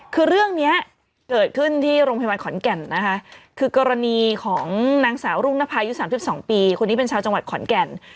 คือเรื่องนี้เกิดขึ้นที่โรงพยาบาลขอนแก่นนะคะคือกรณีของนางสาวรุ่งนภายุ๓๒ปีคนนี้เป็นชาวจังหวัดขอนแก่น